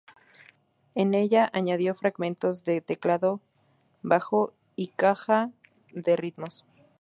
En ella añadió fragmentos de teclado, bajo y caja de ritmos.